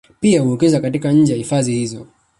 Pia huwekeza hata nje ya hifadhi hizo